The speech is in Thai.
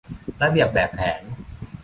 ระเบียบแบบแผน